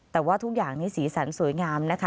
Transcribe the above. แต่ว่าทุกอย่างนี้สีสันสวยงามนะคะ